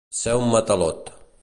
Ser un matalot.